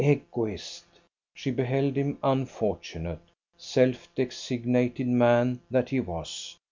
Egoist! She beheld him unfortunate, self designated man that he was!